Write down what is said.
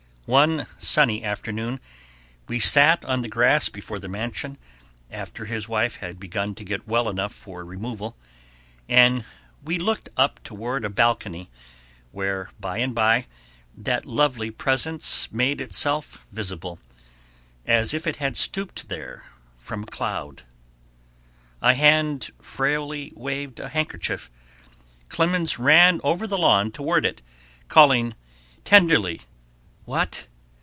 One sunny afternoon we sat on the grass before the mansion, after his wife had begun to get well enough for removal, and we looked up toward a balcony where by and by that lovely presence made itself visible, as if it had stooped there from a cloud. A hand frailly waved a handkerchief; Clemens ran over the lawn toward it, calling tenderly: "What?